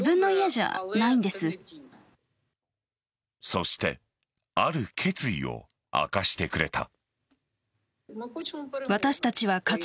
そしてある決意を明かしてくれた。